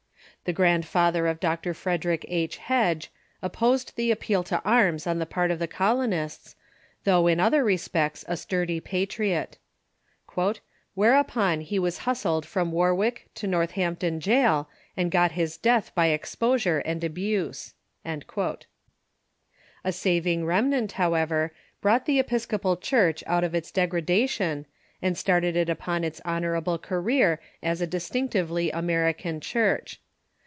The grandfather of Dr. Frederic 11. Hedge opposed the appeal to arms on the part of the colonists, though in other respects a sturdy patriot. " Whereupon he was hustled from Warwick to Northampton jail, and got his death by exposure and abuse." A saving remnant, however, brought the Episcopal Church out of its degradation, and started it upon its honorable career as a distinctively American Church.